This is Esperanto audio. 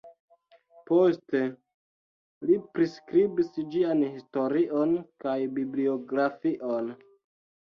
Poste li priskribis ĝian historion kaj bibliografion.